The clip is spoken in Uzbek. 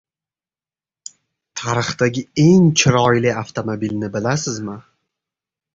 Tarixdagi eng chiroyli avtomobilni bilasizmi?